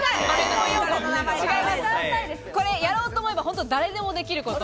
やろうと思えば誰でもできること。